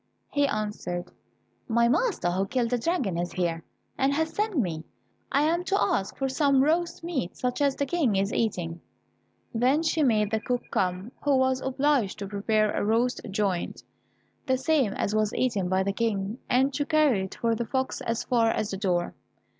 He answered, "My master, who killed the dragon, is here, and has sent me. I am to ask for some roast meat such as the King is eating." Then she made the cook come, who was obliged to prepare a roast joint, the same as was eaten by the King, and to carry it for the fox as far as the door.